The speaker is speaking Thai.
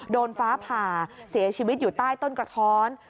โดนฟ้าผ่าเสียชีวิตอยู่ใต้ต้นกระท้อน